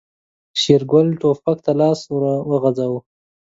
شېرګل ټوپک ته لاس ور وغځاوه.